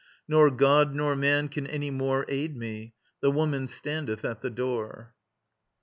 Nor god nor man can any more Aid me. The woman standeth at the door.